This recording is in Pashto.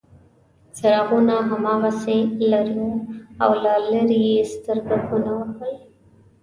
څراغونه هماغسې لرې وو او له لرې یې سترګکونه وهل.